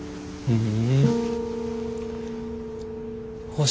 うん。